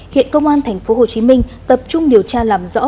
hiện công an tp hcm tập trung điều tra làm rõ